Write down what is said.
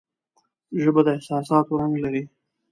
ژبه د احساساتو رنگ لري